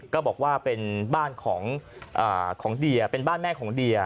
ก็บอกว่าเป็นบ้านของเดียเป็นบ้านแม่ของเดีย